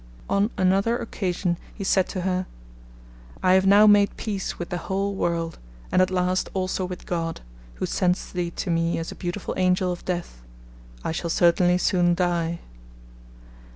On another occasion he said to her: 'I have now made peace with the whole world, and at last also with God, who sends thee to me as a beautiful angel of death: I shall certainly soon die.'